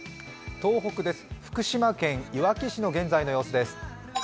東北です、福島県いわき市の現在の様子です。